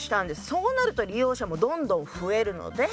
そうなると利用者もどんどん増えるので。